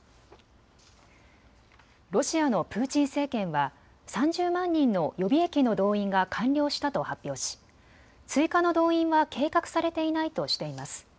ロシアのプーチン政権は３０万人の予備役の動員が完了したと発表し追加の動員は計画されていないとしています。